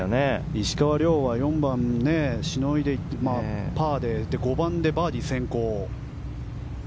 石川遼は４番パーでしのいで５番でバーディー先行。